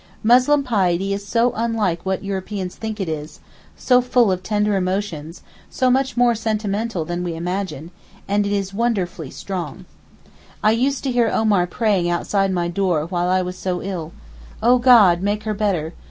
Muslim piety is so unlike what Europeans think it is, so full of tender emotions, so much more sentimental than we imagine—and it is wonderfully strong. I used to hear Omar praying outside my door while I was so ill, 'O God, make her better.